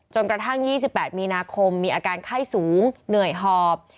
กระทั่ง๒๘มีนาคมมีอาการไข้สูงเหนื่อยหอบ